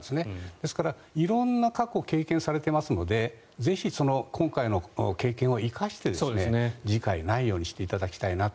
ですから、色んな過去を経験されていますのでぜひ今回の経験を生かして次回、ないようにしていただきたいなと。